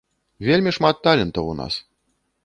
Вельмі шмат талентаў у нас.